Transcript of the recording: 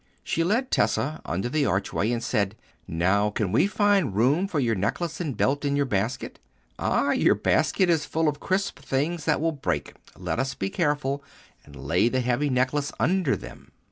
She led Tessa under the archway, and said, "Now, can we find room for your necklace and belt in your basket? Ah! your basket is full of crisp things that will break: let us be careful, and lay the heavy necklace under them."